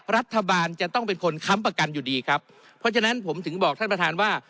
รัฐบาลจะต้องเป็นคนค้ำประกันอยู่ดีครับเพราะฉะนั้นผมถึงบอกท่านประธานว่า